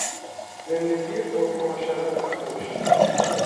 زندگی پر معاشرت و خوش